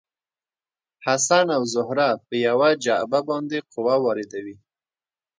حسن او زهره په یوه جعبه باندې قوه واردوي.